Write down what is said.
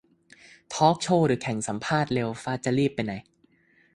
ทอล์กโชว์ หรือแข่งสัมภาษณ์เร็วฟะ ? จะรีบไปไหน